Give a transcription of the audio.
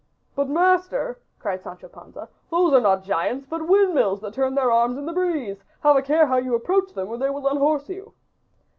"But, Master," cried Sancho Panza, "those are not giants but windmills that turn their arms with the breeze. Have a care how you approach them or they will unhorse you."